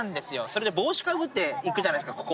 それで帽子かぶって行くじゃないですか